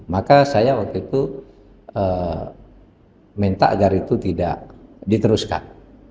maka saya waktu itu minta agar itu tidak diteruskan